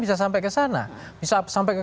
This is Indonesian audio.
bisa sampai ke sana bisa sampai ke